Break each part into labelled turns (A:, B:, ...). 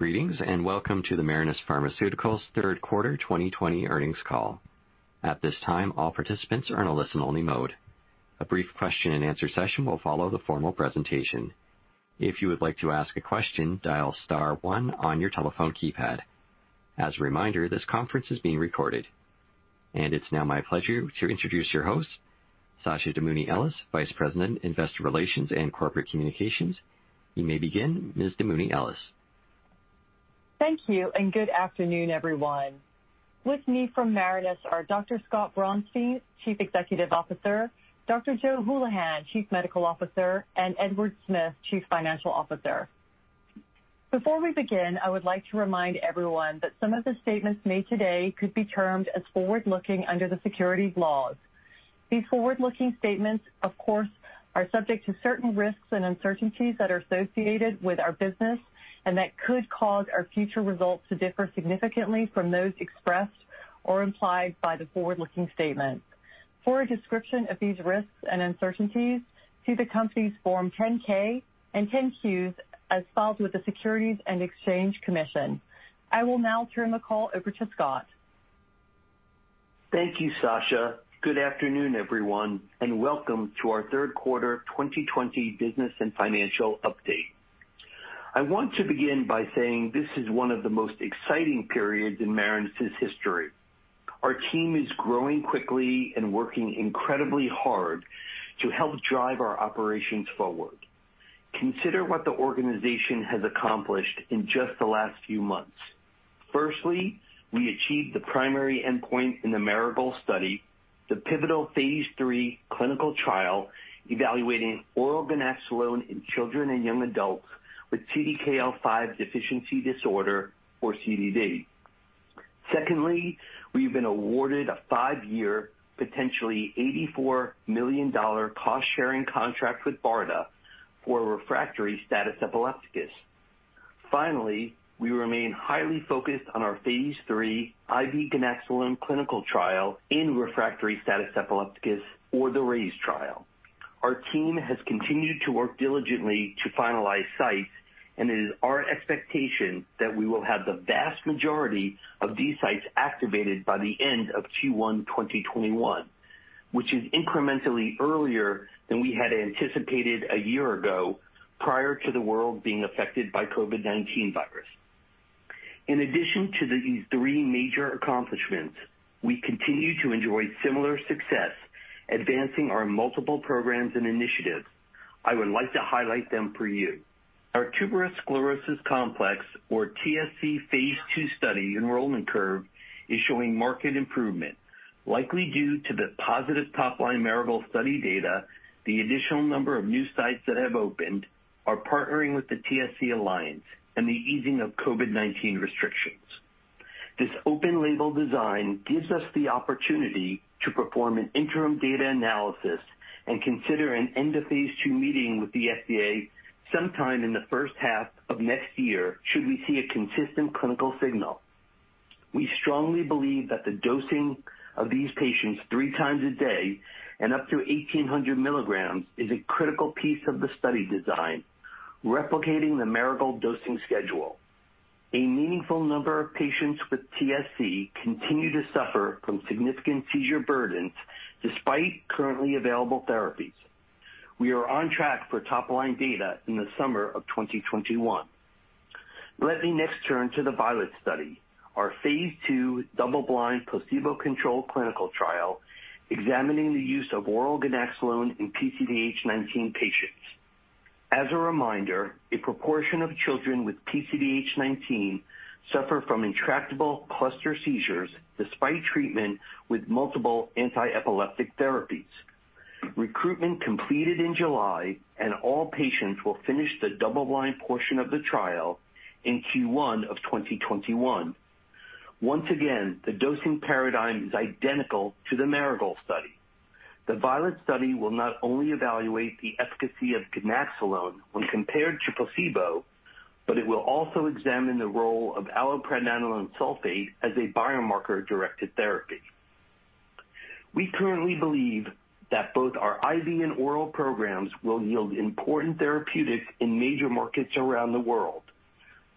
A: Greetings, and welcome to the Marinus Pharmaceuticals third quarter 2020 earnings call. It's now my pleasure to introduce your host, Sasha Damouni Ellis, Vice President, Investor Relations and Corporate Communications. You may begin, Ms. Damouni Ellis.
B: Thank you. Good afternoon, everyone. With me from Marinus are Dr. Scott Braunstein, Chief Executive Officer, Dr. Joe Hulihan, Chief Medical Officer, and Edward Smith, Chief Financial Officer. Before we begin, I would like to remind everyone that some of the statements made today could be termed as forward-looking under the securities laws. These forward-looking statements, of course, are subject to certain risks and uncertainties that are associated with our business and that could cause our future results to differ significantly from those expressed or implied by the forward-looking statements. For a description of these risks and uncertainties, see the company's Form 10-K and 10-Qs as filed with the Securities and Exchange Commission. I will now turn the call over to Scott.
C: Thank you, Sasha. Good afternoon, everyone, and welcome to our third quarter 2020 business and financial update. I want to begin by saying this is one of the most exciting periods in Marinus' history. Our team is growing quickly and working incredibly hard to help drive our operations forward. Consider what the organization has accomplished in just the last few months. Firstly, we achieved the primary endpoint in the Marigold study, the pivotal phase III clinical trial evaluating oral ganaxolone in children and young adults with CDKL5 deficiency disorder, or CDD. Secondly, we've been awarded a five-year, potentially $84 million cost-sharing contract with BARDA for refractory status epilepticus. Finally, we remain highly focused on our phase III IV ganaxolone clinical trial in refractory status epilepticus or the RAISE trial. Our team has continued to work diligently to finalize sites, it is our expectation that we will have the vast majority of these sites activated by the end of Q1 2021, which is incrementally earlier than we had anticipated a year ago prior to the world being affected by COVID-19 virus. In addition to these three major accomplishments, we continue to enjoy similar success advancing our multiple programs and initiatives. I would like to highlight them for you. Our tuberous sclerosis complex, or TSC phase II study enrollment curve is showing market improvement, likely due to the positive top-line Marigold study data, the additional number of new sites that have opened, our partnering with the TSC Alliance, and the easing of COVID-19 restrictions. This open label design gives us the opportunity to perform an interim data analysis and consider an end-of-phase II meeting with the FDA sometime in the first half of next year should we see a consistent clinical signal. We strongly believe that the dosing of these patients three times a day and up to 1,800 milligrams is a critical piece of the study design, replicating the Marigold dosing schedule. A meaningful number of patients with TSC continue to suffer from significant seizure burdens despite currently available therapies. We are on track for top-line data in the summer of 2021. Let me next turn to the Violet study, our phase II double-blind placebo-controlled clinical trial examining the use of oral ganaxolone in PCDH19 patients. As a reminder, a proportion of children with PCDH19 suffer from intractable cluster seizures despite treatment with multiple anti-epileptic therapies. Recruitment completed in July, and all patients will finish the double-blind portion of the trial in Q1 of 2021. Once again, the dosing paradigm is identical to the Marigold study. The Violet study will not only evaluate the efficacy of ganaxolone when compared to placebo, but it will also examine the role of allopregnanolone sulfate as a biomarker-directed therapy. We currently believe that both our IV and oral programs will yield important therapeutics in major markets around the world.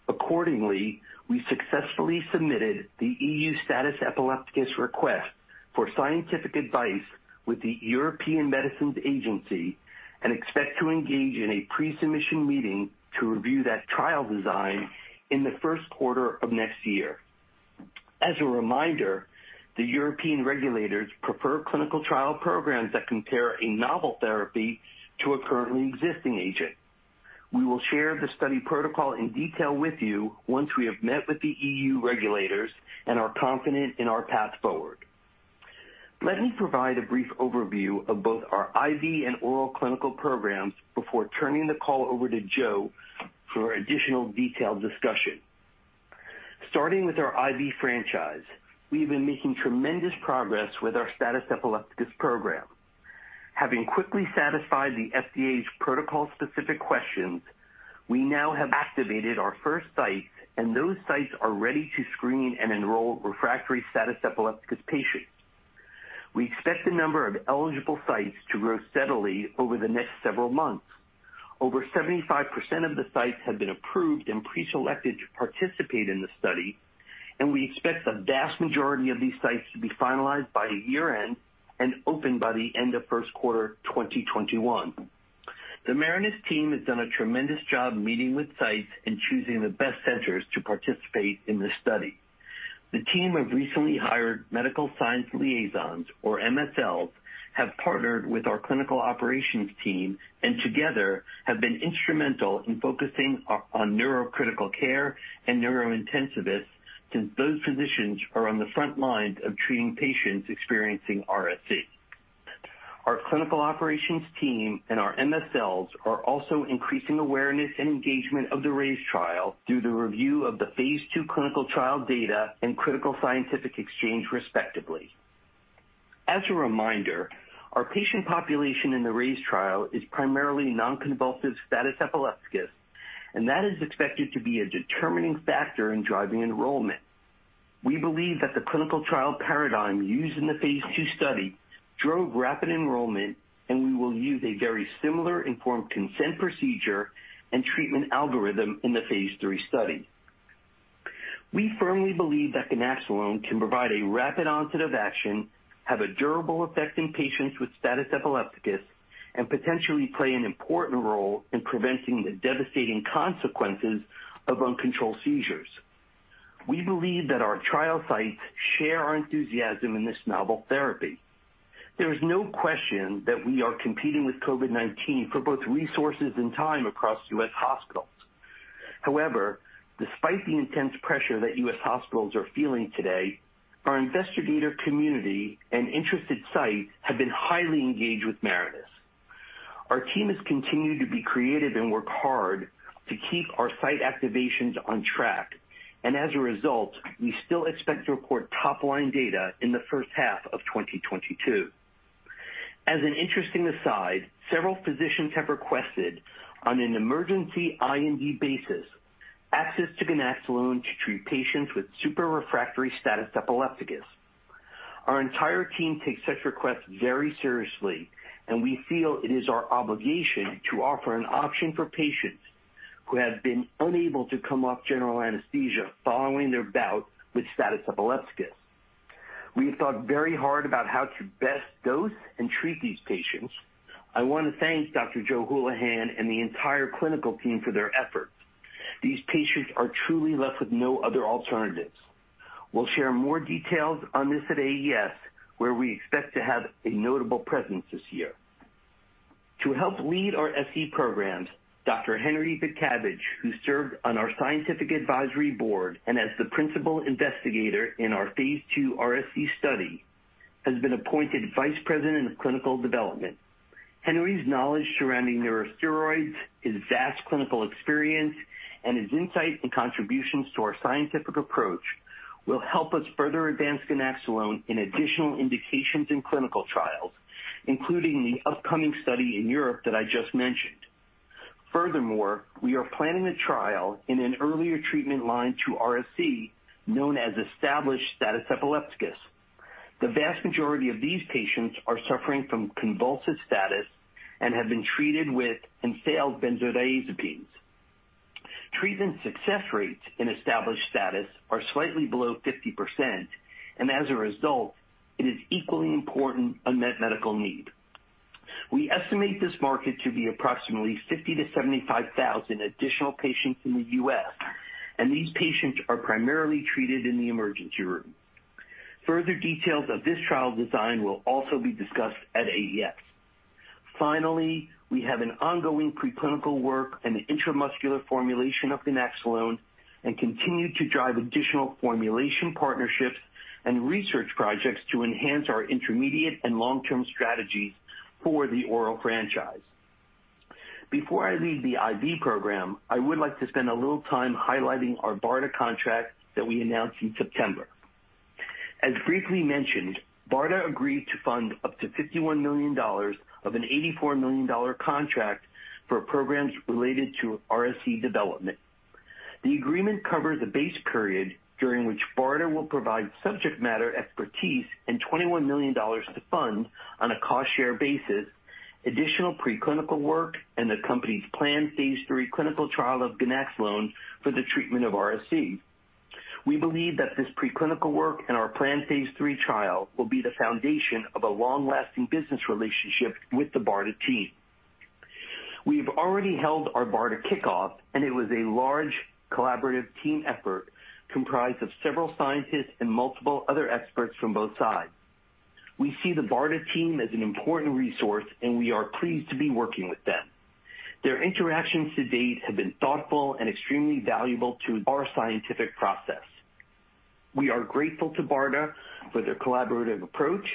C: Accordingly, we successfully submitted the EU status epilepticus request for scientific advice with the European Medicines Agency and expect to engage in a pre-submission meeting to review that trial design in the first quarter of next year. As a reminder, the European regulators prefer clinical trial programs that compare a novel therapy to a currently existing agent. We will share the study protocol in detail with you once we have met with the EU regulators and are confident in our path forward. Let me provide a brief overview of both our IV and oral clinical programs before turning the call over to Joe for additional detailed discussion. Starting with our IV franchise, we have been making tremendous progress with our status epilepticus program. Having quickly satisfied the FDA's protocol-specific questions, we now have activated our first sites, and those sites are ready to screen and enroll refractory status epilepticus patients. We expect the number of eligible sites to grow steadily over the next several months. Over 75% of the sites have been approved and pre-selected to participate in the study, and we expect the vast majority of these sites to be finalized by year-end and open by the end of first quarter 2021. The Marinus team has done a tremendous job meeting with sites and choosing the best centers to participate in this study. The team of recently hired medical science liaisons, or MSLs, have partnered with our clinical operations team and together have been instrumental in focusing on neurocritical care and neurointensivists since those physicians are on the front lines of treating patients experiencing RSE. Our clinical operations team and our MSLs are also increasing awareness and engagement of the RAISE trial through the review of the phase II clinical trial data and critical scientific exchange, respectively. As a reminder, our patient population in the RAISE trial is primarily non-convulsive status epilepticus, and that is expected to be a determining factor in driving enrollment. We believe that the clinical trial paradigm used in the phase II study drove rapid enrollment, and we will use a very similar informed consent procedure and treatment algorithm in the phase III study. We firmly believe that ganaxolone can provide a rapid onset of action, have a durable effect in patients with status epilepticus, and potentially play an important role in preventing the devastating consequences of uncontrolled seizures. We believe that our trial sites share our enthusiasm in this novel therapy. There is no question that we are competing with COVID-19 for both resources and time across U.S. hospitals. Despite the intense pressure that U.S. hospitals are feeling today, our investigator community and interested sites have been highly engaged with Marinus. Our team has continued to be creative and work hard to keep our site activations on track. As a result, we still expect to report top-line data in the first half of 2022. As an interesting aside, several physicians have requested on an emergency IND basis, access to ganaxolone to treat patients with super-refractory status epilepticus. Our entire team takes such requests very seriously, and we feel it is our obligation to offer an option for patients who have been unable to come off general anesthesia following their bout with status epilepticus. We have thought very hard about how to best dose and treat these patients. I want to thank Dr. Joe Hulihan and the entire clinical team for their efforts. These patients are truly left with no other alternatives. We'll share more details on this at AES, where we expect to have a notable presence this year. To help lead our SE programs, Dr. Henry Bhikhabhai, who served on our scientific advisory board and as the principal investigator in our phase II RSE study, has been appointed Vice President of Clinical Development. Henry's knowledge surrounding neurosteroids, his vast clinical experience, and his insight and contributions to our scientific approach will help us further advance ganaxolone in additional indications in clinical trials, including the upcoming study in Europe that I just mentioned. Furthermore, we are planning a trial in an earlier treatment line to RSE, known as established status epilepticus. The vast majority of these patients are suffering from convulsive status and have been treated with and failed benzodiazepines. Treatment success rates in established status are slightly below 50%, and as a result, it is equally important unmet medical need. We estimate this market to be approximately 50,000-75,000 additional patients in the U.S., and these patients are primarily treated in the emergency room. Further details of this trial design will also be discussed at AES. Finally, we have an ongoing preclinical work and an intramuscular formulation of ganaxolone and continue to drive additional formulation partnerships and research projects to enhance our intermediate and long-term strategies for the oral franchise. Before I leave the IV program, I would like to spend a little time highlighting our BARDA contract that we announced in September. As briefly mentioned, BARDA agreed to fund up to $51 million of an $84 million contract for programs related to RSE development. The agreement covers a base period during which BARDA will provide subject matter expertise and $21 million to fund on a cost-share basis, additional preclinical work, and the company's planned phase III clinical trial of ganaxolone for the treatment of RSE. We believe that this preclinical work and our planned phase III trial will be the foundation of a long-lasting business relationship with the BARDA team. We've already held our BARDA kickoff. It was a large collaborative team effort comprised of several scientists and multiple other experts from both sides. We see the BARDA team as an important resource. We are pleased to be working with them. Their interactions to date have been thoughtful and extremely valuable to our scientific process. We are grateful to BARDA for their collaborative approach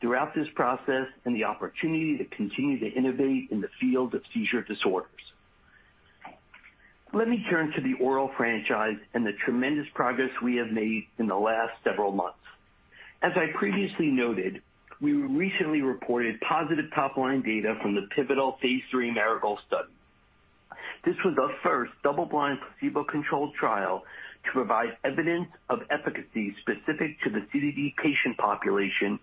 C: throughout this process and the opportunity to continue to innovate in the field of seizure disorders. Let me turn to the oral franchise and the tremendous progress we have made in the last several months. As I previously noted, we recently reported positive top-line data from the pivotal phase III MARIGOLD study. This was the first double-blind placebo-controlled trial to provide evidence of efficacy specific to the CDD patient population,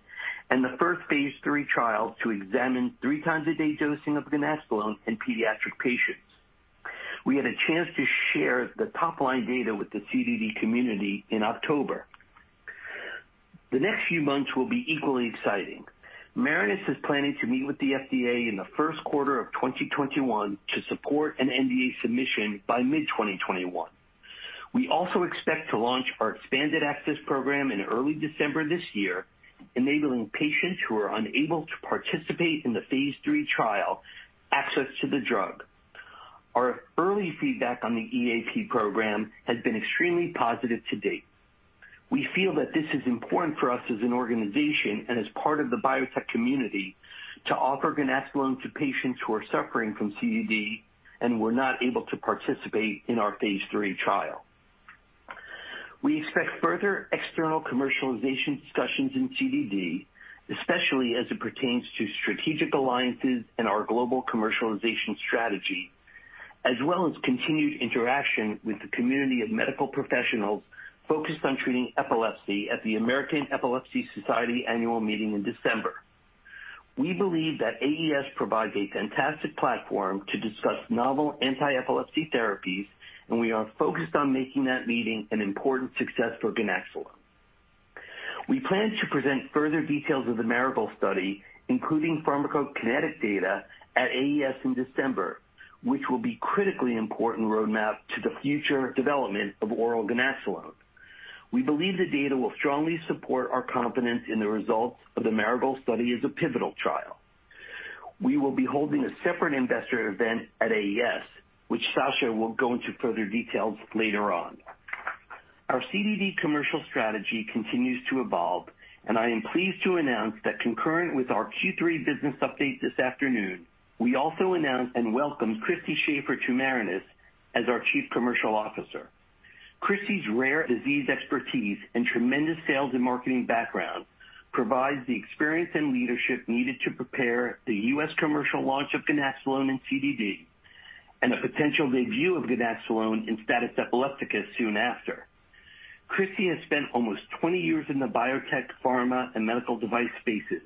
C: and the first phase III trial to examine three times a day dosing of ganaxolone in pediatric patients. We had a chance to share the top-line data with the CDD community in October. The next few months will be equally exciting. Marinus is planning to meet with the FDA in the first quarter of 2021 to support an NDA submission by mid-2021. We also expect to launch our Expanded Access Program in early December this year, enabling patients who are unable to participate in the phase III trial access to the drug. Our early feedback on the EAP program has been extremely positive to date. We feel that this is important for us as an organization and as part of the biotech community to offer ganaxolone to patients who are suffering from CDD and were not able to participate in our phase III trial. We expect further external commercialization discussions in CDD, especially as it pertains to strategic alliances and our global commercialization strategy, as well as continued interaction with the community of medical professionals focused on treating epilepsy at the American Epilepsy Society Annual Meeting in December. We believe that AES provides a fantastic platform to discuss novel anti-epilepsy therapies, and we are focused on making that meeting an important success for ganaxolone. We plan to present further details of the Marigold study, including pharmacokinetic data at AES in December, which will be critically important roadmap to the future development of oral ganaxolone. We believe the data will strongly support our confidence in the results of the Marigold study as a pivotal trial. We will be holding a separate investor event at AES, which Sasha will go into further details later on. Our CDD commercial strategy continues to evolve, and I am pleased to announce that concurrent with our Q3 business update this afternoon, we also announce and welcome Christy Shafer to Marinus as our Chief Commercial Officer. Christy's rare disease expertise and tremendous sales and marketing background provides the experience and leadership needed to prepare the U.S. commercial launch of ganaxolone in CDD, and a potential debut of ganaxolone in status epilepticus soon after. Christy has spent almost 20 years in the biotech, pharma, and medical device spaces,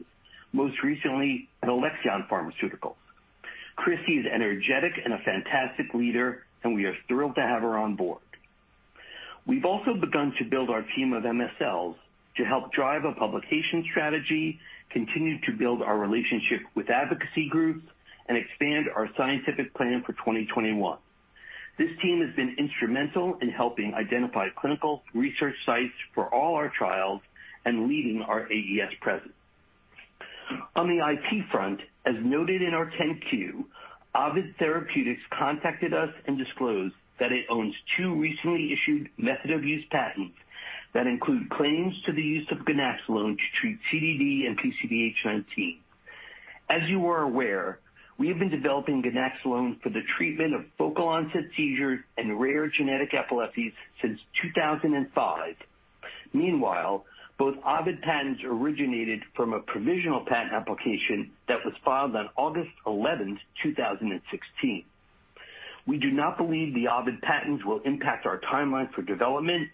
C: most recently at Alexion Pharmaceuticals. Christy is energetic and a fantastic leader, and we are thrilled to have her on board. We've also begun to build our team of MSLs to help drive a publication strategy, continue to build our relationship with advocacy groups, and expand our scientific plan for 2021. This team has been instrumental in helping identify clinical research sites for all our trials and leading our AES presence. On the IP front, as noted in our 10-Q, Ovid Therapeutics contacted us and disclosed that it owns two recently issued method of use patents that include claims to the use of ganaxolone to treat CDD and PCDH19. As you are aware, we have been developing ganaxolone for the treatment of focal onset seizures and rare genetic epilepsies since 2005. Meanwhile, both Ovid patents originated from a provisional patent application that was filed on 11th August, 2016. We do not believe the Ovid patents will impact our timeline for development,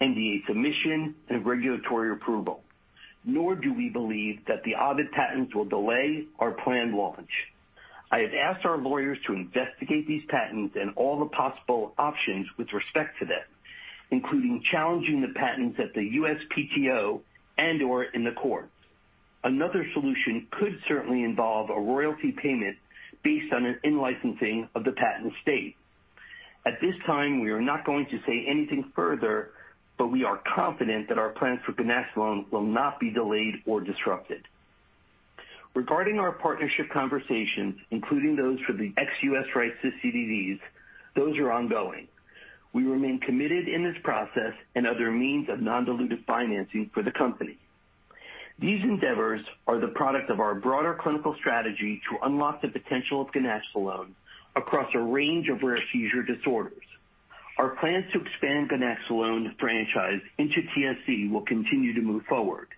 C: NDA submission, and regulatory approval, nor do we believe that the Ovid patents will delay our planned launch. I have asked our lawyers to investigate these patents and all the possible options with respect to them, including challenging the patents at the USPTO and/or in the courts. Another solution could certainly involve a royalty payment based on an in-licensing of the patent state. At this time, we are not going to say anything further, but we are confident that our plans for ganaxolone will not be delayed or disrupted. Regarding our partnership conversations, including those for the ex-U.S. rights to CDDs, those are ongoing. We remain committed in this process and other means of non-dilutive financing for the company. These endeavors are the product of our broader clinical strategy to unlock the potential of ganaxolone across a range of rare seizure disorders. Our plans to expand ganaxolone franchise into TSC will continue to move forward.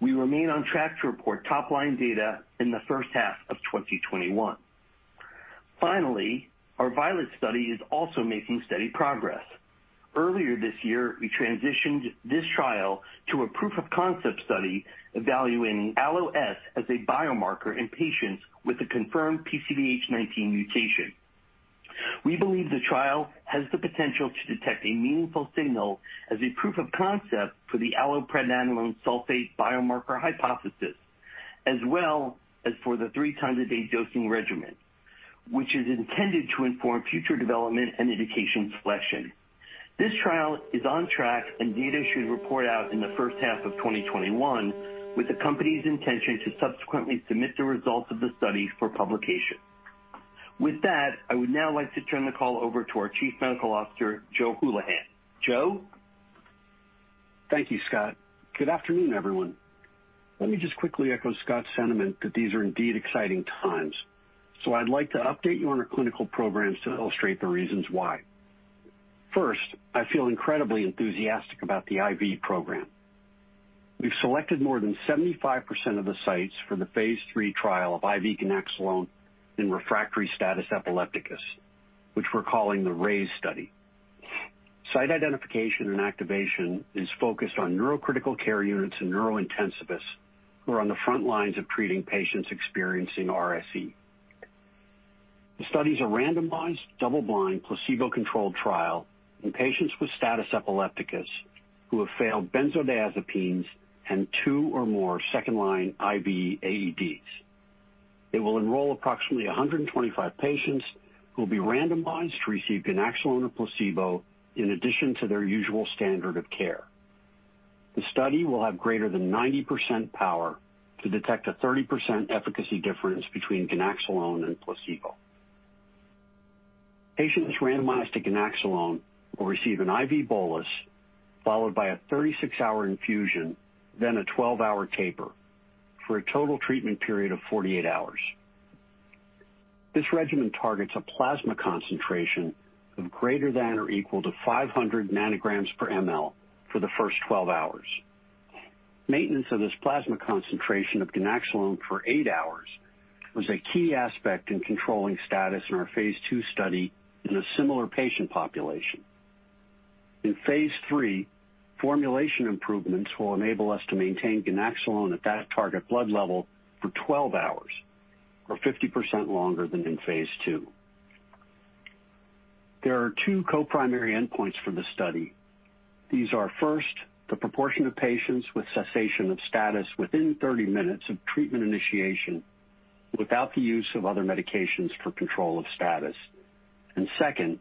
C: We remain on track to report top-line data in the first half of 2021. Finally, our Violet study is also making steady progress. Earlier this year, we transitioned this trial to a proof of concept study evaluating ALLO-S as a biomarker in patients with a confirmed PCDH19 mutation. We believe the trial has the potential to detect a meaningful signal as a proof of concept for the allopregnanolone sulfate biomarker hypothesis, as well as for the three times a day dosing regimen, which is intended to inform future development and indication selection. This trial is on track, and data should report out in the first half of 2021 with the company's intention to subsequently submit the results of the study for publication. With that, I would now like to turn the call over to our Chief Medical Officer, Joe Hulihan. Joe?
D: Thank you, Scott. Good afternoon, everyone. Let me just quickly echo Scott's sentiment that these are indeed exciting times. I'd like to update you on our clinical programs to illustrate the reasons why. First, I feel incredibly enthusiastic about the IV program. We've selected more than 75% of the sites for the phase III trial of IV ganaxolone in refractory status epilepticus, which we're calling the RAISE study. Site identification and activation is focused on neurocritical care units and neurointensivists who are on the front lines of treating patients experiencing RSE. The study is a randomized, double-blind, placebo-controlled trial in patients with status epilepticus who have failed benzodiazepines and two or more second line IV AEDs. It will enroll approximately 125 patients who will be randomized to receive ganaxolone or placebo in addition to their usual standard of care. The study will have greater than 90% power to detect a 30% efficacy difference between ganaxolone and placebo. Patients randomized to ganaxolone will receive an IV bolus followed by a 36-hour infusion, then a 12-hour taper for a total treatment period of 48 hours. This regimen targets a plasma concentration of greater than or equal to 500 nanograms per ml for the first 12 hours. Maintenance of this plasma concentration of ganaxolone for eight hours was a key aspect in controlling status in our phase II study in a similar patient population. In phase III, formulation improvements will enable us to maintain ganaxolone at that target blood level for 12 hours or 50% longer than in phase II. There are two co-primary endpoints for this study. These are, first, the proportion of patients with cessation of status within 30 minutes of treatment initiation without the use of other medications for control of status. Second,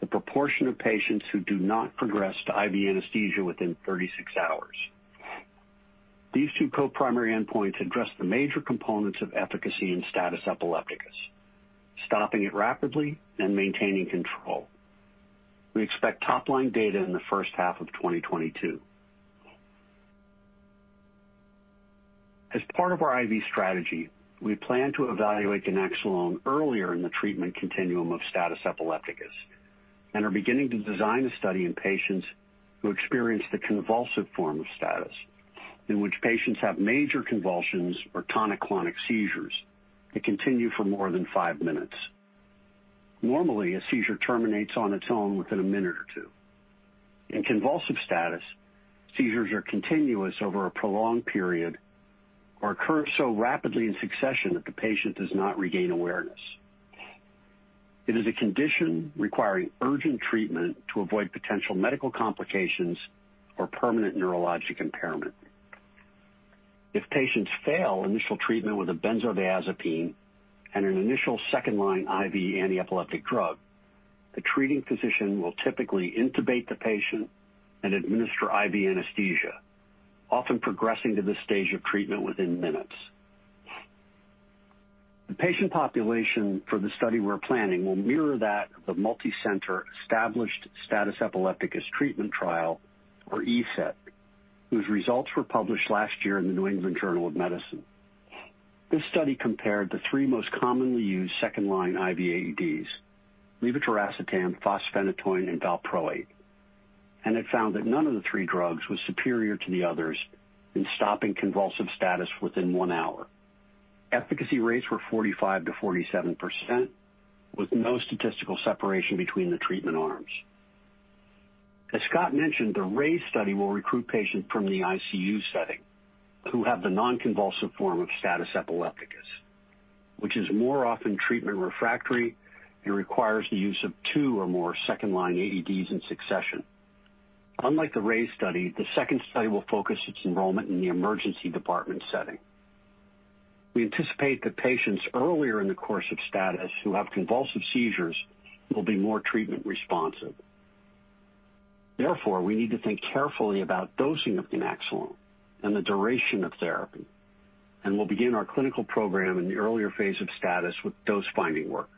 D: the proportion of patients who do not progress to IV anesthesia within 36 hours. These two co-primary endpoints address the major components of efficacy in status epilepticus, stopping it rapidly and maintaining control. We expect top-line data in the first half of 2022. As part of our IV strategy, we plan to evaluate ganaxolone earlier in the treatment continuum of status epilepticus and are beginning to design a study in patients who experience the convulsive form of status in which patients have major convulsions or tonic-clonic seizures that continue for more than five minutes. Normally, a seizure terminates on its own within a minute or two. In convulsive status, seizures are continuous over a prolonged period or occur so rapidly in succession that the patient does not regain awareness. It is a condition requiring urgent treatment to avoid potential medical complications or permanent neurologic impairment. If patients fail initial treatment with a benzodiazepine and an initial second line IV antiepileptic drug, the treating physician will typically intubate the patient and administer IV anesthesia, often progressing to this stage of treatment within minutes. The patient population for the study we're planning will mirror that of the multicenter Established Status Epilepticus Treatment Trial, or ESETT, whose results were published last year in "The New England Journal of Medicine." This study compared the three most commonly used second line IV AEDs, levetiracetam, fosphenytoin, and valproate, and it found that none of the three drugs was superior to the others in stopping convulsive status within one hour. Efficacy rates were 45%-47%, with no statistical separation between the treatment arms. As Scott mentioned, the RAISE study will recruit patients from the ICU setting who have the non-convulsive form of status epilepticus, which is more often treatment refractory and requires the use of two or more second line AEDs in succession. Unlike the RAISE study, the second study will focus its enrollment in the emergency department setting. We anticipate that patients earlier in the course of status who have convulsive seizures will be more treatment responsive. We need to think carefully about dosing of ganaxolone and the duration of therapy, and we'll begin our clinical program in the earlier phase of status with dose finding work.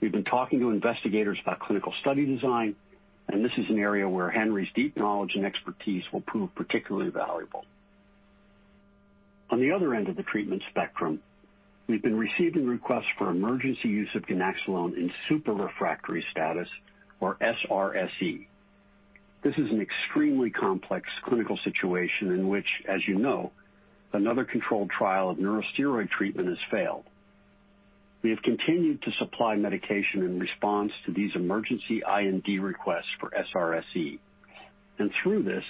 D: We've been talking to investigators about clinical study design, this is an area where Henry's deep knowledge and expertise will prove particularly valuable. On the other end of the treatment spectrum, we've been receiving requests for emergency use of ganaxolone in super refractory status or SRSE. This is an extremely complex clinical situation in which, as you know, another controlled trial of neurosteroid treatment has failed. We have continued to supply medication in response to these emergency IND requests for SRSE, and through this,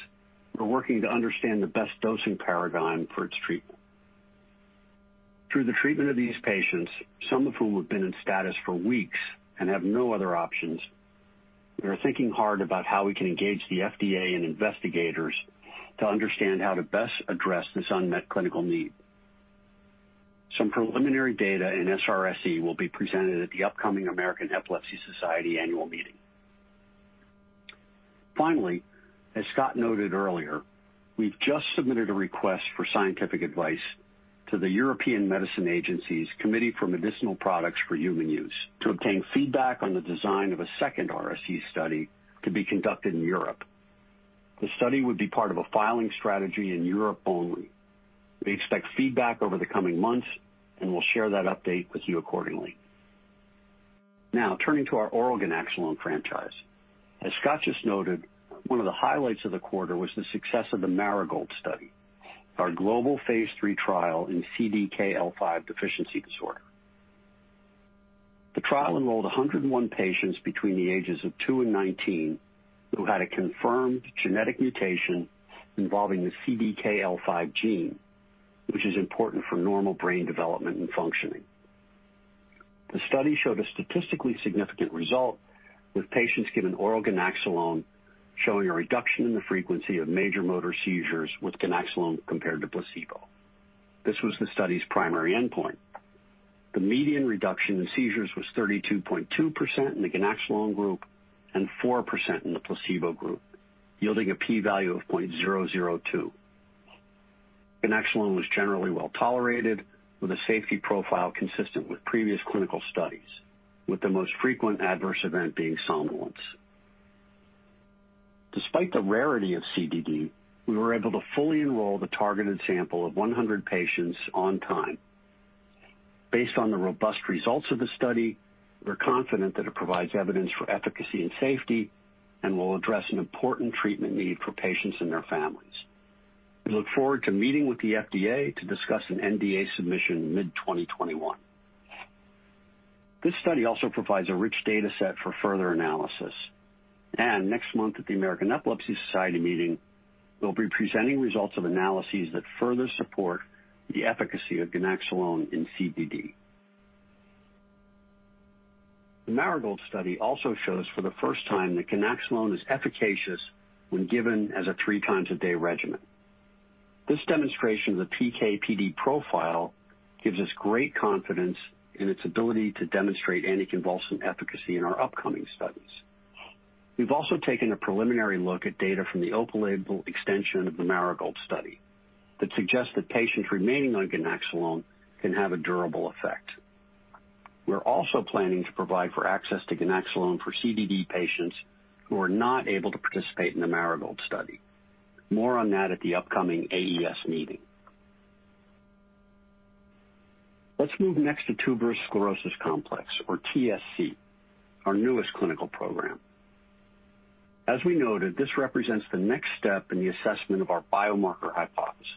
D: we're working to understand the best dosing paradigm for its treatment. Through the treatment of these patients, some of whom have been in status for weeks and have no other options, we are thinking hard about how we can engage the FDA and investigators to understand how to best address this unmet clinical need. Some preliminary data in SRSE will be presented at the upcoming American Epilepsy Society annual meeting. Finally, as Scott noted earlier, we've just submitted a request for scientific advice to the European Medicines Agency's Committee for Medicinal Products for Human Use to obtain feedback on the design of a second RSE study to be conducted in Europe. The study would be part of a filing strategy in Europe only. We expect feedback over the coming months, and we'll share that update with you accordingly. Turning to our oral ganaxolone franchise. As Scott just noted, one of the highlights of the quarter was the success of the Marigold study, our global phase III trial in CDKL5 deficiency disorder. The trial enrolled 101 patients between the ages of two and 19 who had a confirmed genetic mutation involving the CDKL5 gene, which is important for normal brain development and functioning. The study showed a statistically significant result with patients given oral ganaxolone showing a reduction in the frequency of major motor seizures with ganaxolone compared to placebo. This was the study's primary endpoint. The median reduction in seizures was 32.2% in the ganaxolone group and 4% in the placebo group, yielding a P value of .002. ganaxolone was generally well-tolerated with a safety profile consistent with previous clinical studies, with the most frequent adverse event being somnolence. Despite the rarity of CDD, we were able to fully enroll the targeted sample of 100 patients on time. Based on the robust results of the study, we're confident that it provides evidence for efficacy and safety and will address an important treatment need for patients and their families. We look forward to meeting with the FDA to discuss an NDA submission mid-2021. This study also provides a rich data set for further analysis. Next month at the American Epilepsy Society meeting, we'll be presenting results of analyses that further support the efficacy of ganaxolone in CDD. The Marigold study also shows for the first time that ganaxolone is efficacious when given as a three times a day regimen. This demonstration of the PK/PD profile gives us great confidence in its ability to demonstrate anticonvulsant efficacy in our upcoming studies. We've also taken a preliminary look at data from the open-label extension of the Marigold study that suggests that patients remaining on ganaxolone can have a durable effect. We're also planning to provide for access to ganaxolone for CDD patients who are not able to participate in the Marigold study. More on that at the upcoming AES meeting. Let's move next to Tuberous Sclerosis Complex, or TSC, our newest clinical program. As we noted, this represents the next step in the assessment of our biomarker hypothesis.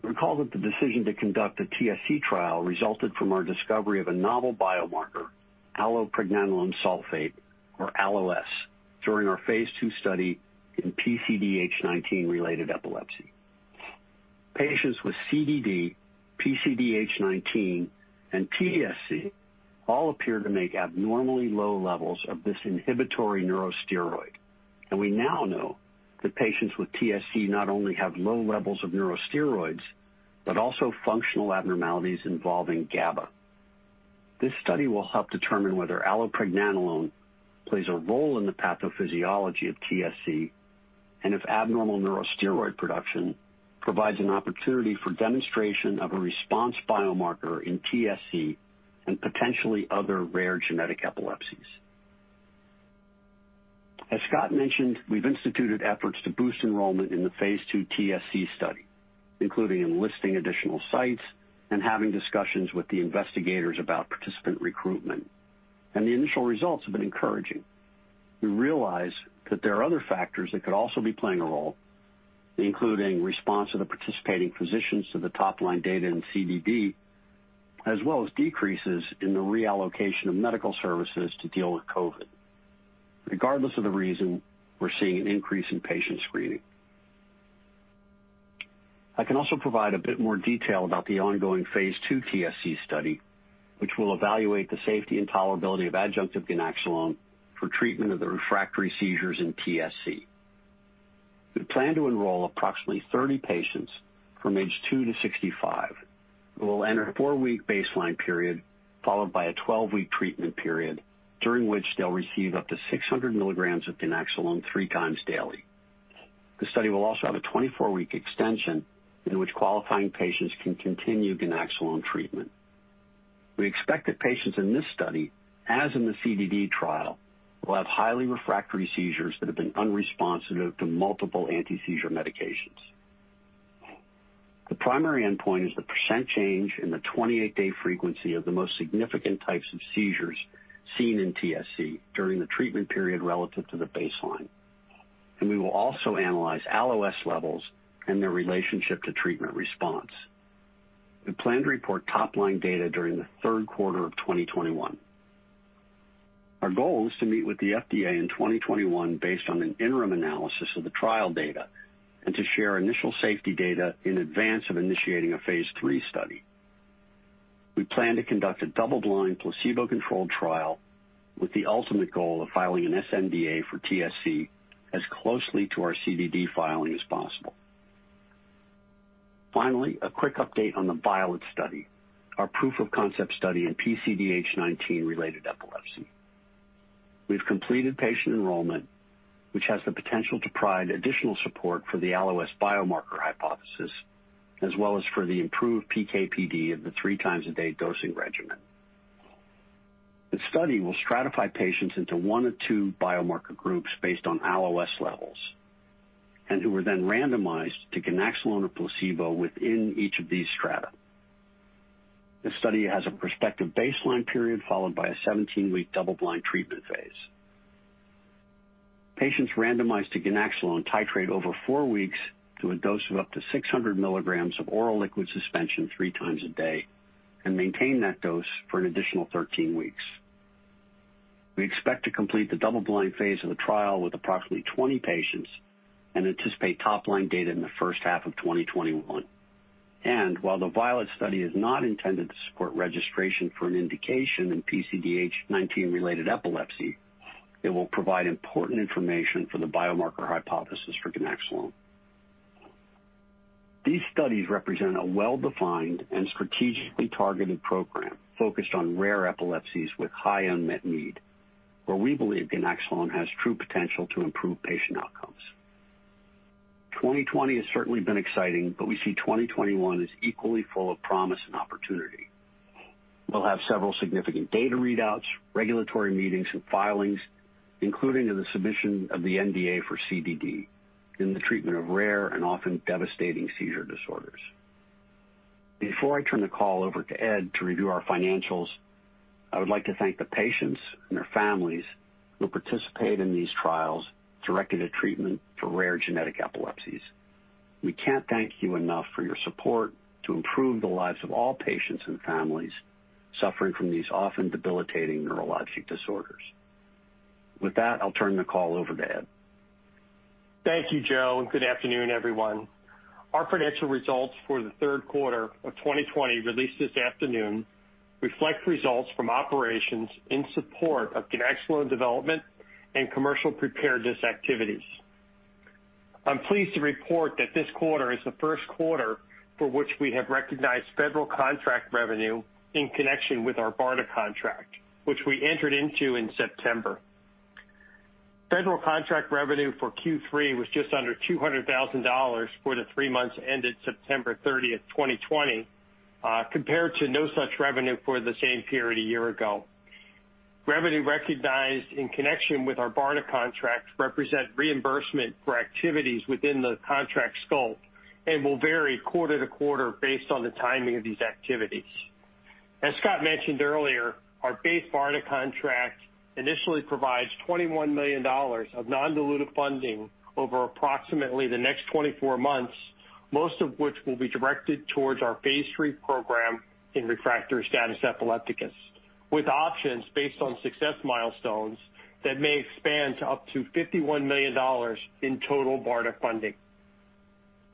D: You'll recall that the decision to conduct a TSC trial resulted from our discovery of a novel biomarker, allopregnanolone sulfate, or ALLO-S, during our phase II study in PCDH19-related epilepsy. Patients with CDD, PCDH19, and TSC all appear to make abnormally low levels of this inhibitory neurosteroid. We now know that patients with TSC not only have low levels of neurosteroids, but also functional abnormalities involving GABA. This study will help determine whether allopregnanolone plays a role in the pathophysiology of TSC and if abnormal neurosteroid production provides an opportunity for demonstration of a response biomarker in TSC and potentially other rare genetic epilepsies. As Scott mentioned, we've instituted efforts to boost enrollment in the phase II TSC study, including enlisting additional sites and having discussions with the investigators about participant recruitment. The initial results have been encouraging. We realize that there are other factors that could also be playing a role, including response of the participating physicians to the top-line data in CDD, as well as decreases in the reallocation of medical services to deal with COVID. Regardless of the reason, we're seeing an increase in patient screening. I can also provide a bit more detail about the ongoing phase II TSC study, which will evaluate the safety and tolerability of adjunctive Ganaxolone for treatment of the refractory seizures in TSC. We plan to enroll approximately 30 patients from age two to 65, who will enter a 4-week baseline period, followed by a 12-week treatment period during which they'll receive up to 600 milligrams of Ganaxolone three times daily. The study will also have a 24-week extension in which qualifying patients can continue Ganaxolone treatment. We expect that patients in this study, as in the CDD trial, will have highly refractory seizures that have been unresponsive to multiple anti-seizure medications. The primary endpoint is the percent change in the 28-day frequency of the most significant types of seizures seen in TSC during the treatment period relative to the baseline. We will also analyze ALLO-S levels and their relationship to treatment response. We plan to report top-line data during the third quarter of 2021. Our goal is to meet with the FDA in 2021 based on an interim analysis of the trial data and to share initial safety data in advance of initiating a phase III study. We plan to conduct a double-blind, placebo-controlled trial with the ultimate goal of filing an sNDA for TSC as closely to our CDD filing as possible. Finally, a quick update on the Violet study, our proof of concept study in PCDH19-related epilepsy. We've completed patient enrollment, which has the potential to provide additional support for the ALLO-S biomarker hypothesis, as well as for the improved PK/PD of the three times a day dosing regimen. The study will stratify patients into one of two biomarker groups based on ALLO-S levels, who were then randomized to ganaxolone or placebo within each of these strata. The study has a prospective baseline period, followed by a 17-week double-blind treatment phase. Patients randomized to ganaxolone titrate over four weeks to a dose of up to 600 milligrams of oral liquid suspension three times a day, and maintain that dose for an additional 13 weeks. We expect to complete the double-blind phase of the trial with approximately 20 patients, and anticipate top-line data in the first half of 2021. While the Violet study is not intended to support registration for an indication in PCDH19-related epilepsy, it will provide important information for the biomarker hypothesis for ganaxolone. These studies represent a well-defined and strategically targeted program focused on rare epilepsies with high unmet need, where we believe ganaxolone has true potential to improve patient outcomes. 2020 has certainly been exciting, but we see 2021 as equally full of promise and opportunity. We will have several significant data readouts, regulatory meetings, and filings, including the submission of the NDA for CDD in the treatment of rare and often devastating seizure disorders. Before I turn the call over to Edward to review our financials, I would like to thank the patients and their families who participate in these trials directed at treatment for rare genetic epilepsies. We can't thank you enough for your support to improve the lives of all patients and families suffering from these often debilitating neurologic disorders. With that, I'll turn the call over to Edward.
E: Thank you, Joe, and good afternoon, everyone. Our financial results for the third quarter of 2020, released this afternoon, reflect results from operations in support of ganaxolone development and commercial preparedness activities. I'm pleased to report that this quarter is the first quarter for which we have recognized federal contract revenue in connection with our BARDA contract, which we entered into in September. Federal contract revenue for Q3 was just under $200,000 for the three months ended 30th September, 2020, compared to no such revenue for the same period a year ago. Revenue recognized in connection with our BARDA contract represent reimbursement for activities within the contract's scope and will vary quarter to quarter based on the timing of these activities. As Scott mentioned earlier, our base BARDA contract initially provides $21 million of non-diluted funding over approximately the next 24 months, most of which will be directed towards our phase III program in Refractory Status Epilepticus, with options based on success milestones that may expand to up to $51 million in total BARDA funding.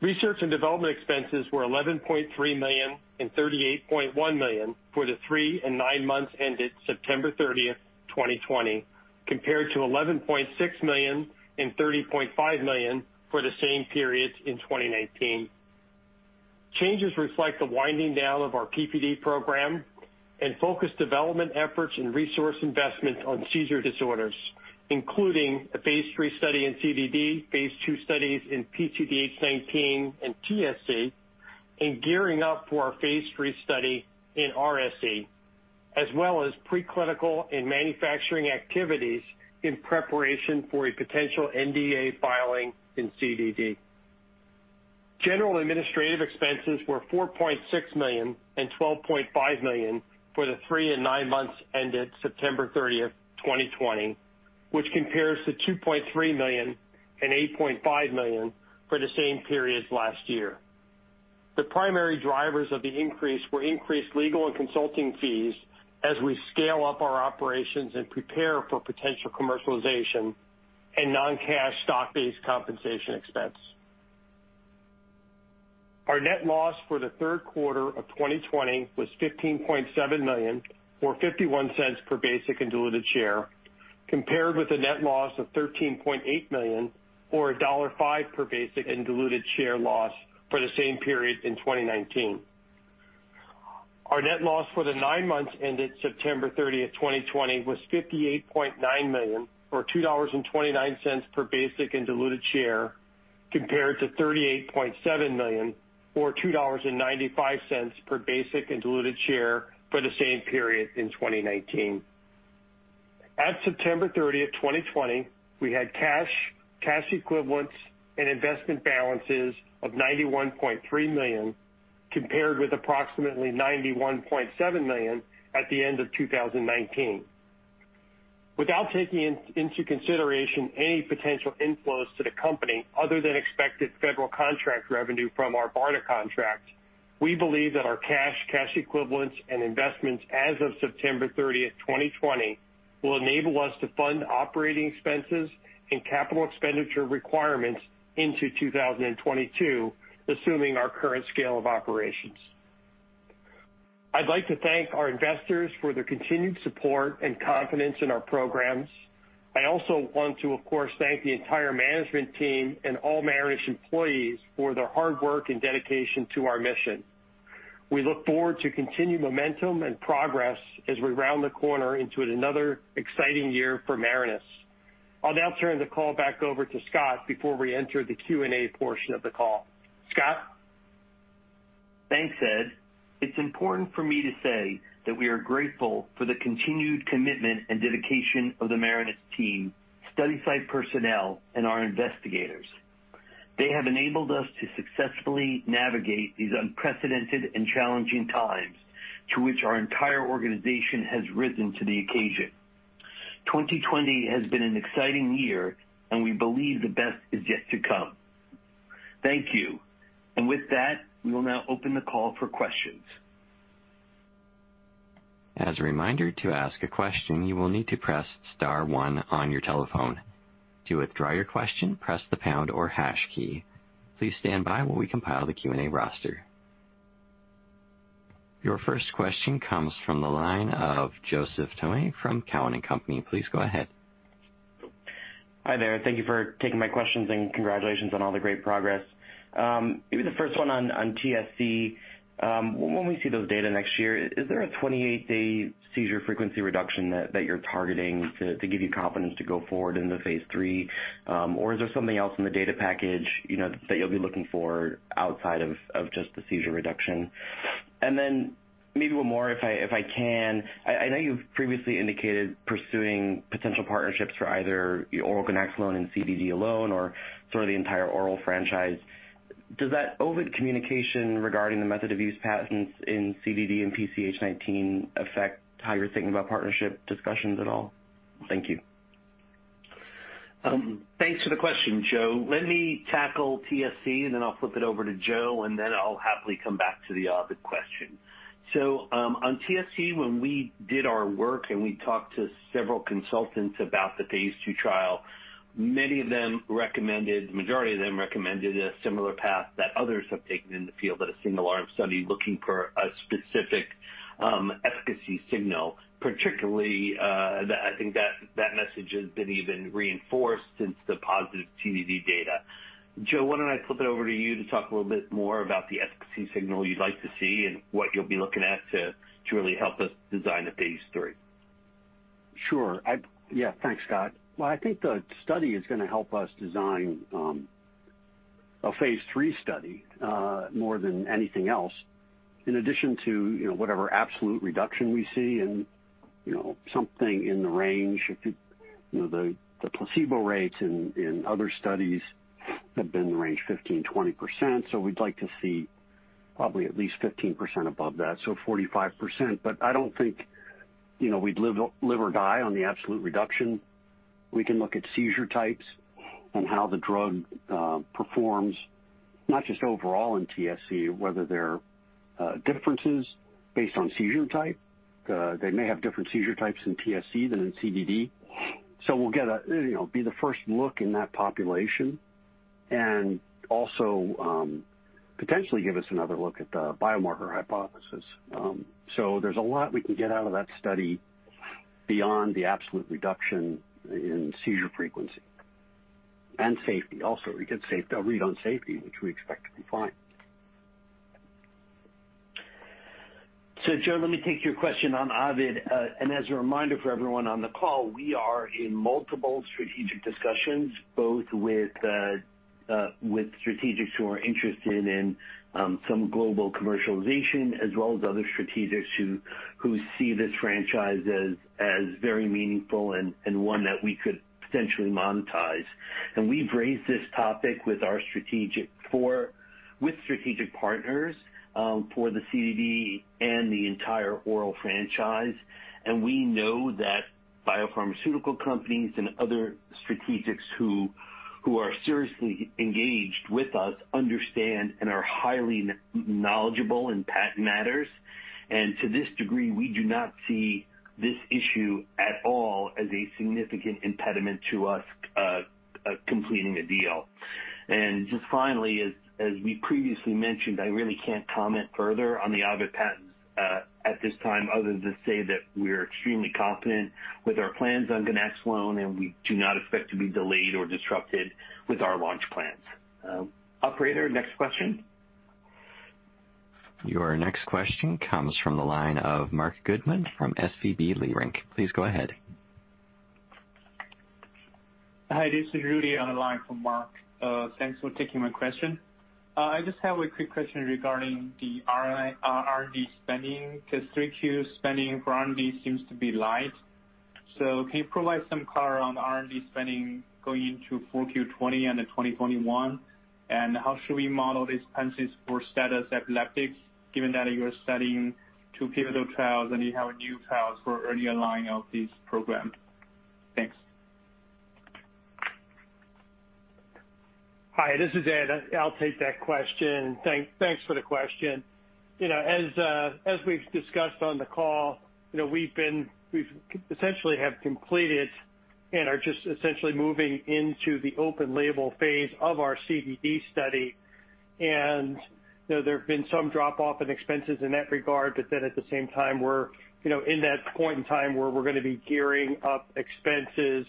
E: Research and development expenses were $11.3 million and $38.1 million for the three and nine months ended 30th September, 2020, compared to $11.6 million and $30.5 million for the same periods in 2019. Changes reflect the winding down of our PPD program and focused development efforts and resource investments on seizure disorders, including a phase III study in CDD, phase II studies in PCDH19 and TSC, and gearing up for our phase III study in RSE, as well as pre-clinical and manufacturing activities in preparation for a potential NDA filing in CDD. General administrative expenses were $4.6 million and $12.5 million for the three and nine months ended 30th September, 2020, which compares to $2.3 million and $8.5 million for the same periods last year. The primary drivers of the increase were increased legal and consulting fees as we scale up our operations and prepare for potential commercialization, and non-cash stock-based compensation expense. Our net loss for the third quarter of 2020 was $15.7 million, or $0.51 per basic and diluted share, compared with a net loss of $13.8 million, or $1.5 per basic and diluted share loss for the same period in 2019. Our net loss for the nine months ended 30th September, 2020, was $58.9 million, or $2.29 per basic and diluted share, compared to $38.7 million or $2.95 per basic and diluted share for the same period in 2019. At 30th September, 2020, we had cash equivalents, and investment balances of $91.3 million, compared with approximately $91.7 million at the end of 2019. Without taking into consideration any potential inflows to the company other than expected federal contract revenue from our BARDA contract, we believe that our cash equivalents, and investments as of 30th September, 2020, will enable us to fund operating expenses and capital expenditure requirements into 2022, assuming our current scale of operations. I'd like to thank our investors for their continued support and confidence in our programs. I also want to, of course, thank the entire management team and all Marinus employees for their hard work and dedication to our mission. We look forward to continued momentum and progress as we round the corner into another exciting year for Marinus. I'll now turn the call back over to Scott before we enter the Q&A portion of the call. Scott?
C: Thanks, Ed, "It's important for me to say that we are grateful for the continued commitment and dedication of the Marinus team, study site personnel, and our investigators. They have enabled us to successfully navigate these unprecedented and challenging times to which our entire organization has risen to the occasion. 2020 has been an exciting year, and we believe the best is yet to come. Thank you." With that, we will now open the call for questions.
A: As a reminder, to ask a question, you will need to press star one on your telephone. To withdraw your question, press the pound or hash key. Please stand by while we compile the Q&A roster. Your first question comes from the line of Joseph Thome from Cowen and Company. Please go ahead.
F: Hi there. Thank you for taking my questions and congratulations on all the great progress. Maybe the first one on TSC. When we see those data next year, is there a 28-day seizure frequency reduction that you're targeting to give you confidence to go forward into phase III? Is there something else in the data package that you'll be looking for outside of just the seizure reduction? Maybe one more, if I can. I know you've previously indicated pursuing potential partnerships for either oral ganaxolone and CDD alone or sort of the entire oral franchise. Does that Ovid communication regarding the method of use patents in CDD and PCDH19 affect how you're thinking about partnership discussions at all? Thank you.
C: Thanks for the question, Joe. Let me tackle TSC, and then I'll flip it over to Joe, and then I'll happily come back to the Ovid question. On TSC, when we did our work and we talked to several consultants about the phase II trial, many of them recommended, the majority of them recommended a similar path that others have taken in the field at a single-arm study looking for a specific efficacy signal, particularly, I think that message has been even reinforced since the positive CDD data. Joe, why don't I flip it over to you to talk a little bit more about the efficacy signal you'd like to see and what you'll be looking at to really help us design a phase III?
D: Sure. Yeah. Thanks, Scott. Well, I think the study is going to help us design a phase III study more than anything else. In addition to whatever absolute reduction we see and something in the range. The placebo rates in other studies have been in the range 15%-20%, so we'd like to see probably at least 15% above that, so 45%. I don't think we'd live or die on the absolute reduction. We can look at seizure types and how the drug performs, not just overall in TSC, whether there are differences based on seizure type. They may have different seizure types in TSC than in CDD. We'll be the first look in that population and also potentially give us another look at the biomarker hypothesis. There's a lot we can get out of that study beyond the absolute reduction in seizure frequency. Safety also. We get a read on safety, which we expect to be fine.
C: Joe, let me take your question on Ovid. As a reminder for everyone on the call, we are in multiple strategic discussions, both with strategics who are interested in some global commercialization, as well as other strategics who see this franchise as very meaningful and one that we could potentially monetize. We've raised this topic with strategic partners for the CDD and the entire oral franchise. We know that biopharmaceutical companies and other strategics who are seriously engaged with us understand and are highly knowledgeable in patent matters. To this degree, we do not see this issue at all as a significant impediment to us completing a deal. Just finally, as we previously mentioned, I really can't comment further on the Ovid patents at this time other than to say that we're extremely confident with our plans on ganaxolone, and we do not expect to be delayed or disrupted with our launch plans. Operator, next question.
A: Your next question comes from the line of Mark Goodman from SVB Leerink. Please go ahead.
G: Hi, this is Rudy on the line for Mark. Thanks for taking my question. I just have a quick question regarding the R&D spending, because 3Q spending for R&D seems to be light. Can you provide some color on the R&D spending going into 4Q 2020 and then 2021? How should we model these expenses for status epilepticus, given that you are studying two pivotal trials and you have new trials for early line of this program? Thanks.
E: Hi, this is Edward. I'll take that question. Thanks for the question. As we've discussed on the call, we essentially have completed and are just essentially moving into the open label phase of our CDD study. There have been some drop off in expenses in that regard. At the same time, we're in that point in time where we're going to be gearing up expenses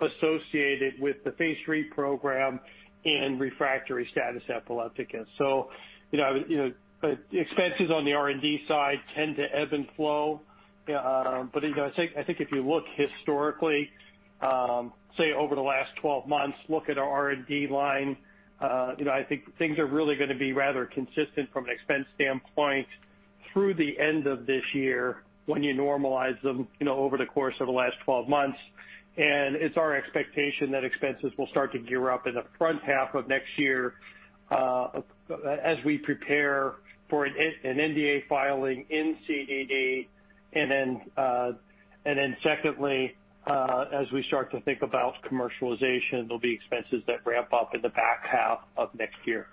E: associated with the phase III program in refractory status epilepticus. Expenses on the R&D side tend to ebb and flow. Yeah. I think if you look historically, say, over the last 12 months, look at our R&D line, I think things are really going to be rather consistent from an expense standpoint through the end of this year when you normalize them over the course of the last 12 months. It's our expectation that expenses will start to gear up in the front half of next year as we prepare for an NDA filing in CDD. Secondly, as we start to think about commercialization, there'll be expenses that ramp up in the back half of next year.